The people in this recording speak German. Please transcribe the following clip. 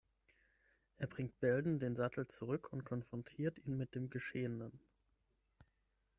Er bringt Belden den Sattel zurück und konfrontiert ihn mit dem Geschehenen.